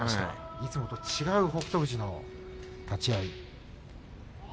いつもとは違う北勝富士の立ち合い。